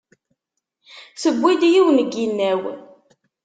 Tewwi-d yiwen n yinaw.